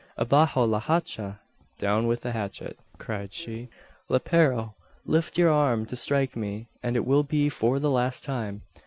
"Abajo la hacha!" (Down with the hatchet), cried she. "Lepero! lift your arm to strike me, and it will be for the last time!"